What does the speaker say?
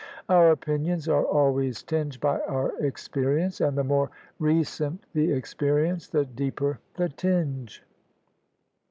Our opinions are always tinged by our experience : and the more recent the experience the deeper the tinge.